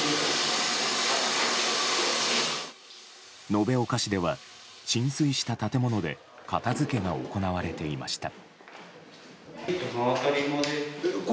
延岡市では浸水した建物で片付けが行われていました。